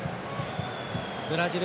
ブラジル